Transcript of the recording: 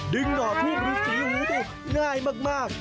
หน่อทูบฤษีหูได้ง่ายมาก